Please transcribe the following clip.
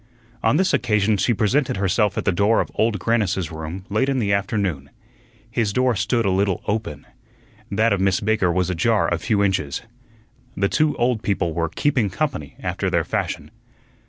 On this occasion she presented herself at the door of Old Grannis's room late in the afternoon. His door stood a little open. That of Miss Baker was ajar a few inches. The two old people were "keeping company" after their fashion.